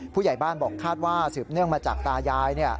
ผู้ใหญ่บ้านบอกคาดว่าสืบเนื่องมาจากตายาย